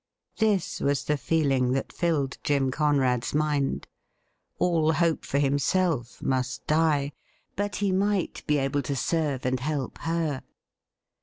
This was the feeling that filled Jim Conrad's mind. All hope for himself must die. But he might be able to serve and to help her.